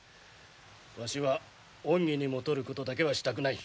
わしは恩義にもとることだけはしたくない。